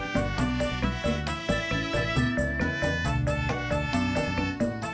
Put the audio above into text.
kamu kan lebih lama temenan sama dia